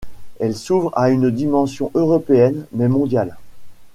Il s'ouvre à une dimension européenne puis mondiale.